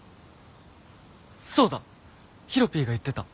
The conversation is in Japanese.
そうだヒロピーが言ってた。